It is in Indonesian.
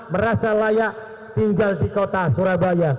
merasa layak tinggal di kota surabaya